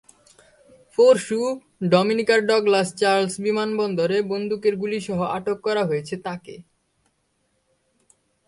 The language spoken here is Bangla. পরশু ডমিনিকার ডগলাস চার্লস বিমানবন্দরে বন্দুকের গুলিসহ আটক করা হয়েছে তাঁকে।